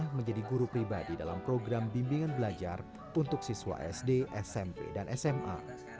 dan dia menjadi guru pribadi dalam program bimbingan belajar untuk siswa sd smp dan sma